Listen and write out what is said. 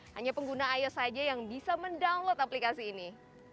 hanya pengguna ios saja yang bisa mendownload aplikasi ini